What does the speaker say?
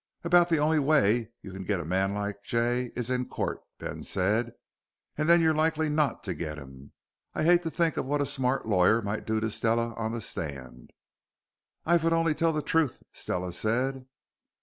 "About the only way you can get a man like Jay is in court," Ben said. "And then you're likely not to get him. I hate to think of what a smart lawyer might do to Stella on the stand." "I vould tell only the truth," Stella said.